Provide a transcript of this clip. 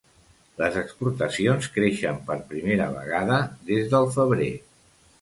Les exportacions creixen per primera vegada des del febrer.